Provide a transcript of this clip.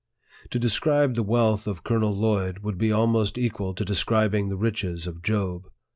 To describe the wealth of Colonel Lloyd would be almost equal to describing the riches of Job.